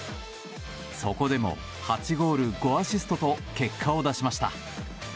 そこでも８ゴール５アシストと結果を出しました。